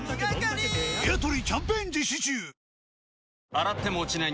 洗っても落ちない